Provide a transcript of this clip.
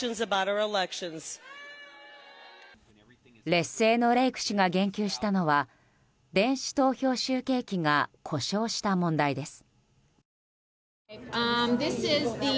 劣勢のレイク氏が言及したのは電子投票集計機が故障した問題です。